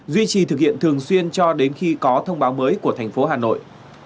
duy trì thực hiện thường xuyên cho đến khi có thông báo mới của thành phố hà nội